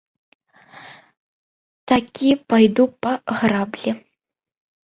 Такі пайду па граблі.